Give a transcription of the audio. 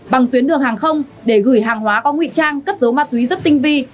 bằng tuyến đường hàng không để gửi hàng hóa có nguy trang cất dấu ma túy rất tinh vi